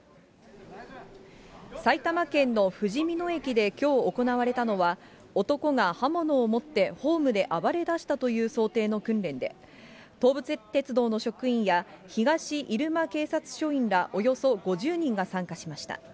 埼玉県のふじみ野駅できょう行われたのは、男が刃物を持ってホームで暴れだしたという想定の訓練で、東武鉄道の職員や東入間警察署員ら、およそ５０人が参加しました。